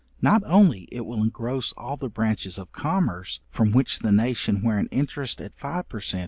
not only it will engross all the branches of commerce, from which the nation where an interest at five per cent.